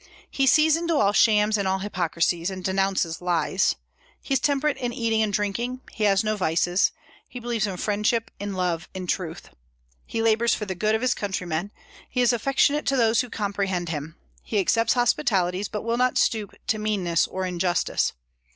He sees into all shams and all hypocrisies, and denounces lies. He is temperate in eating and drinking; he has no vices. He believes in friendship, in love, in truth. He labors for the good of his countrymen. He is affectionate to those who comprehend him. He accepts hospitalities, but will not stoop to meanness or injustice.